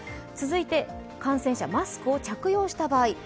続いて感染者、マスクを着用した場合。